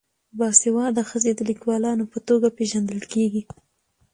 باسواده ښځې د لیکوالانو په توګه پیژندل کیږي.